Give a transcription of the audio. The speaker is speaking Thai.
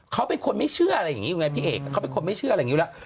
เขาเป็นคนไม่เชื่ออะไรอย่างนี้อยู่ไงพี่เอกเขาเป็นคนไม่เชื่ออะไรอย่างนี้อยู่แล้ว